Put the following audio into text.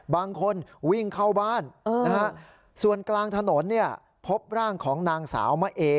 บางคนวิ่งเข้าบ้านส่วนกลางถนนเนี่ยพบร่างของนางสาวมะเอ